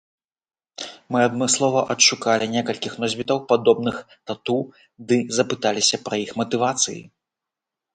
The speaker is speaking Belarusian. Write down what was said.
Мы адмыслова адшукалі некалькіх носьбітаў падобных тату ды запыталіся пра іх матывацыі.